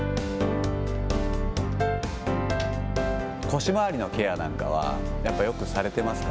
腰回りのケアなんかは、やっぱよくされてますか？